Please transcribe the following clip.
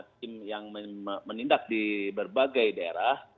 tim yang menindak di berbagai daerah